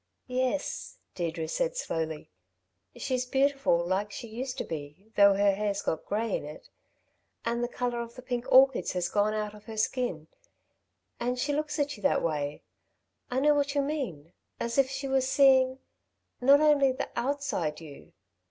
"Yes," Deirdre said slowly. "She's beautiful like she used to be, though her hair's got grey in it ... and the colour of the pink orchids has gone out of her skin. And she looks at you that way I know what you mean as if she were seeing ... not only the outside you....